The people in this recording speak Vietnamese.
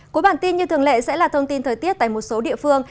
cuối bản tin như thường lệ sẽ là thông tin thời tiết tại một số địa phương